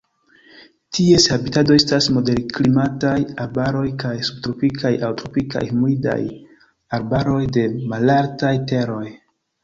Ties habitato estas moderklimataj arbaroj kaj subtropikaj aŭ tropikaj humidaj arbaroj de malaltaj teroj.